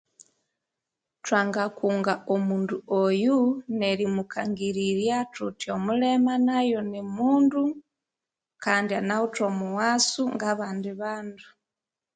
Twangakunga omundu oyu nerimukangirirya indi omundu omulema nayo nimundu kandi anawethi omughasu ngabandi bandu